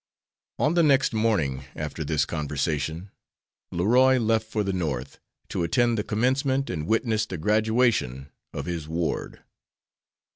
On the next morning after this conversation Leroy left for the North, to attend the commencement and witness the graduation of his ward.